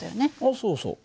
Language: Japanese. そうそう。